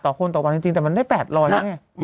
ต่อคนต่อว่าต่อว่านี่จริงแต่มันได้๘๐๐ใช่ไหม